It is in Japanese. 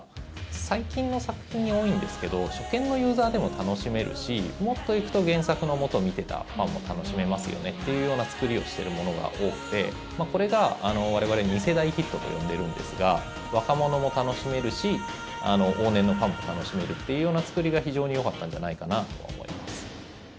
最近の作品に多いんですけど初見のユーザーでも楽しめるしもっといくと原作の元見ていたファンも楽しめますよねというような作りをしているものが多くてこれが、我々２世代ヒットと呼んでるんですが若者も楽しめるし往年のファンも楽しめるというような作りが非常によかったんじゃないかなとは思います。